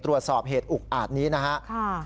ตรวจสอบเหตุอุกอาจนี้นะครับ